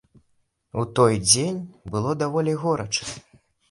У той дзень было даволі горача.